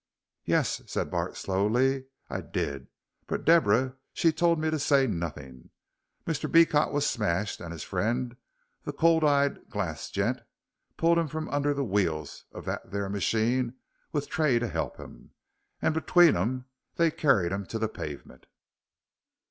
"Yuss," said Bart, slowly, "I did, but Deborah she told me to say nothink. Mr. Beecot was smashed, and his friend, the cold eye glarsed gent, pulled him from under the wheels of that there machine with Tray to help him, and between 'em they carried him to the pavement."